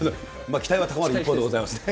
期待は高まる一方でございます。